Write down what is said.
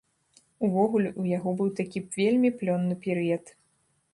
Увогуле, у яго быў такі вельмі плённы перыяд.